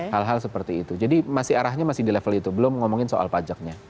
hal hal seperti itu jadi masih arahnya masih di level itu belum ngomongin soal pajaknya